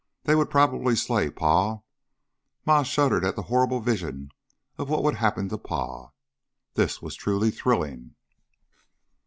They would probably slay Pa. Ma shuddered at the horrid vision of what would happen to Pa. This was truly thrilling.